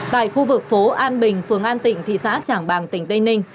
tại khu vực phố an bình phường an tịnh thị xã trảng bàng tỉnh tây ninh